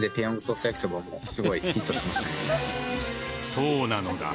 そうなのだ。